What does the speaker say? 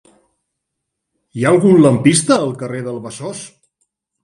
Hi ha algun lampista al carrer del Besòs?